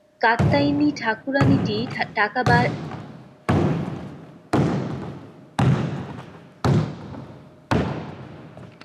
কাত্যায়নী ঠাকুরানীটি টাকা বাহির করিয়া দিবার সময় অনেক আপত্তি করিয়াছিলেন।